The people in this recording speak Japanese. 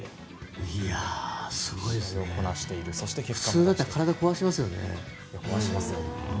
普通なら体を壊しますよね。